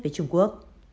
với trung quốc